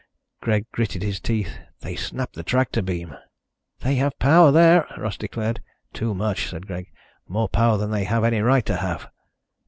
Greg gritted his teeth. "They snapped the tractor beam." "They have power there," Russ declared. "Too much," said Greg. "More power than they have any right to have."